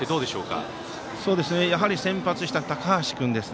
やはり、先発した高橋君。